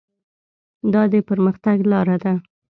دا د پرمختګ لاره ده.